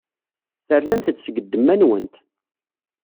Ternamt-d seg ddemma-nwent.